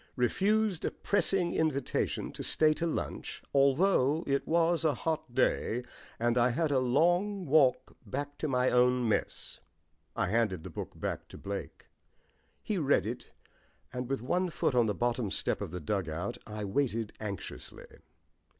Refused a pressing invitation to stay to lunch, although it was a hot day and I had a long walk back to my own mess." I handed the book back to Blake. He read it; and with one foot on the bottom step of the dugout I waited anxiously.